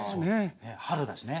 春だしね。